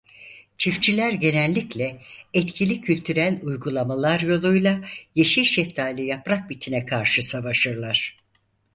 Çiftçiler genellikle etkili kültürel uygulamalar yoluyla yeşil şeftali yaprak bitine karşı savaşırlar.